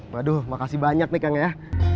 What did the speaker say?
waduh makasih banyak nih kang ya